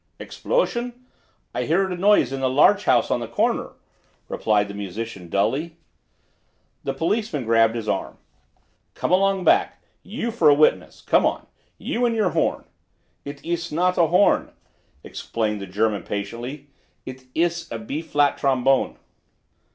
"Explosion? I hear a noise in the larch house on the corner," replied the musician dully. The policeman grabbed his arm. "Come along back. You fer a witness! Come on; you an' yer horn." "It iss not a horn," explained the German patiently, "it iss a B flat trombone."